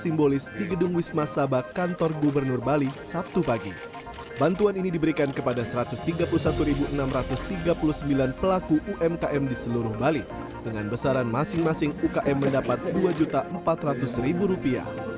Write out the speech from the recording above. menangkan bantuan ini mendapat dua empat juta rupiah